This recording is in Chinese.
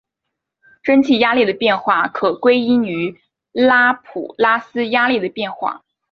蒸气压力的变化可归因于拉普拉斯压力的变化。